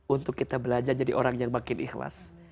untuk kita belajar jadi orang yang makin ikhlas